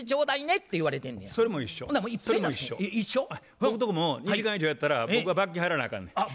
僕とこも２時間以上やったら僕が罰金払わなあかんねん。